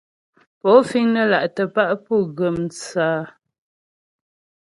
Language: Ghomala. Pó fíŋ nə́ là'tə̀ pá' pú gʉ́m tsə́ a ?